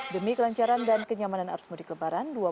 demi kelancaran dan kenyamanan arus mudik lebaran